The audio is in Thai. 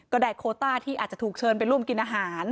ก็ได้โคต้าที่อาจจะถูกเชิญไปร่วมกินอาหาร